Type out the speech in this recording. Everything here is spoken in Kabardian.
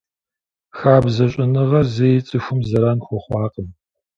Хабзэ щӀэныгъэр зэи цӀыхум зэран хуэхъуакъым.